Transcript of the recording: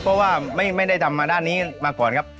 เพราะว่าไม่ได้ทำมาด้านนี้มาก่อนครับ